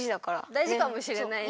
大事かもしれないね。